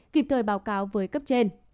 kịp thời báo cáo với cấp trên